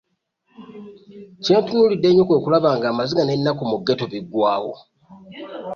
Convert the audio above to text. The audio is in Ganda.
Kye ntunuulidde ennyo kwe kulaba ng'amziga n'ennaku mu Ghetto biggwawo